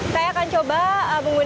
saya akan coba menggunakan sistem oko trip